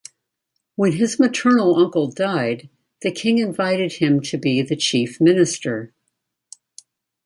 When his maternal uncle died, the king invited him to be the chief minister.